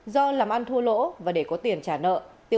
do làm ăn thua lỗ